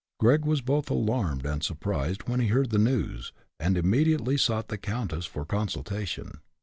Gregg was both alarmed and surprised when he heard the news, and immediately sought the countess for consultation.